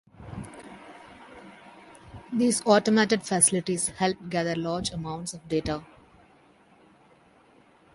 These automated facilities help gather large amounts of data.